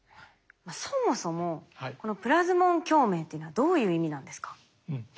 そもそもこのプラズモン共鳴っていうのはどういう意味なんですか？